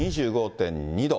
２５．２度。